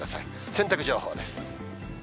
洗濯情報です。